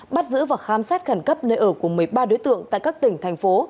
bắt giữ và khám xét khẩn cấp nơi ở của một mươi ba đối tượng tại các tỉnh thành phố